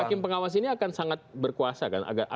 hakim pengawas ini akan sangat berkuasa kan